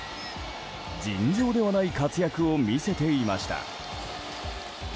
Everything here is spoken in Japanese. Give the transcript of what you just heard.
尋常ではない活躍を見せていました。